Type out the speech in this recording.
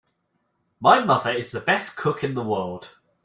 My mother is the best cook in the world!